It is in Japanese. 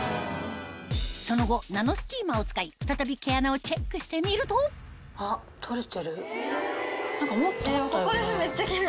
その後ナノスチーマーを使い再び毛穴をチェックしてみるとここら辺めっちゃキレイ！